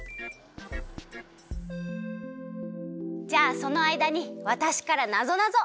じゃあそのあいだにわたしからなぞなぞ！